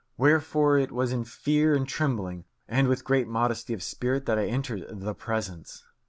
Wherefore it was in fear and trembling, and with great modesty of spirit, that I entered the Presence.